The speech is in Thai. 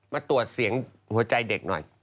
มาตรวจเสียงหัวใจเด็กหน่อย